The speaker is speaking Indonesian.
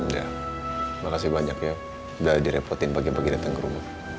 terima kasih banyak ya udah direpotin pagi pagi datang ke rumah